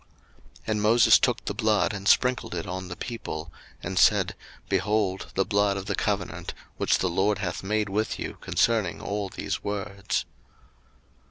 02:024:008 And Moses took the blood, and sprinkled it on the people, and said, Behold the blood of the covenant, which the LORD hath made with you concerning all these words.